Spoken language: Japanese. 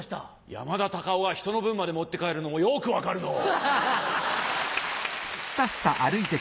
山田隆夫が人の分まで持って帰るのもよく分かるのう。